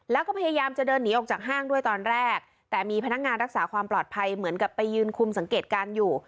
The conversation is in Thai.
แล้วก็พยายามจะเดินหนีออกจากห้างด้วยตอนแรกแต่มีพนักงานรักษาความปลอดภัยเหมือนกับไปยืนคุมสังเกตการณ์อยู่